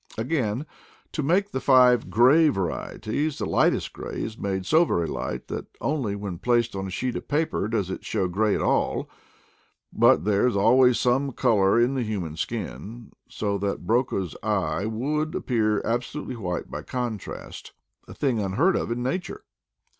Again, to make the five gray varie ties the lightest gray is made so very light that only when placed on a sheet of white paper does it show gray at all; but there is always some color in the human skin, so that Broca's eye would ap pear absolutely white by contrast — a thing un heard of in nature.